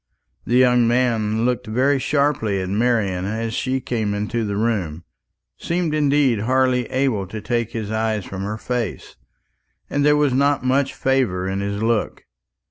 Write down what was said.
This young man looked very sharply at Marian as she came into the room seemed indeed hardly able to take his eyes from her face and there was not much favour in his look.